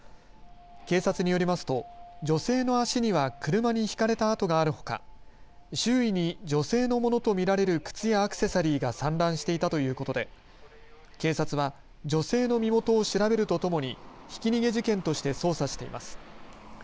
警察によりますと女性の足には車にひかれたあとがあるほか周囲に女性のものと見られる靴やアクセサリーが散乱していたということで警察は女性の身元を調べるとともにひき逃げ事件として捜査しています。